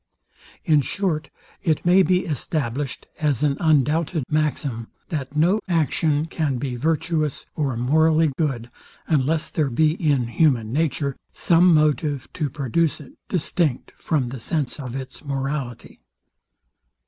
In short, it may be established as an undoubted maxim, THAT NO ACTION CAN BE VIRTUOUS, OR MORALLY GOOD, UNLESS THERE BE IN HUMAN NATURE SOME MOTIVE TO PRODUCE IT, DISTINCT FROM THE SENSE OF ITS MORALITY.